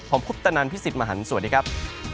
ผมพุทธนันทร์พิสิทธิ์มหันธ์สวัสดีครับ